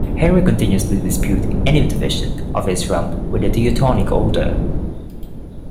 Henry continuously disputed any division of his realm with the Teutonic Order.